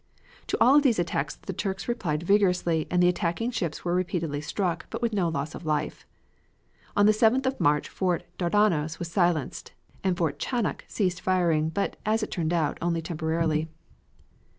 To all of these attacks the Turks replied vigorously and the attacking ships were repeatedly struck, but with no loss of life. On the 7th of March Fort Dardanos was silenced, and Fort Chanak ceased firing, but, as it turned out, only temporarily.